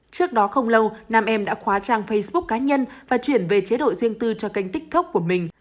trước đó không lâu nam em đã khóa trang facebook cá nhân và chuyển về chế độ riêng tư cho kênh tiktok của mình